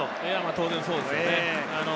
当然そうですね。